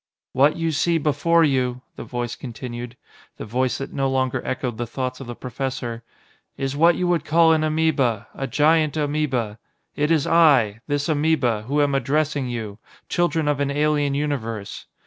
"What you see before you," the Voice continued the Voice that no longer echoed the thoughts of the professor "is what you would call an amoeba, a giant amoeba. It is I this amoeba, who am addressing you children of an alien universe.